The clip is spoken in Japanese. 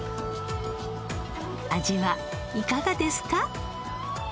味はいかがですか？